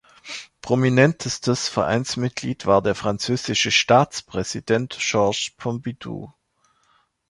Prominentestes Vereinsmitglied war der französische Staatspräsident Georges Pompidou.